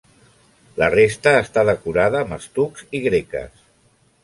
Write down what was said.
La resta està decorada amb estucs i greques.